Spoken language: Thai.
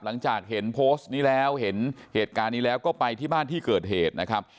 หลังจากเห็นโพสต์นี้แล้วเห็นเหตุการณ์นี้แล้วก็ไปที่บ้านที่เกิดเหตุนะครับ